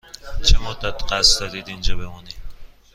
چه مدت قصد داری اینجا بمانی؟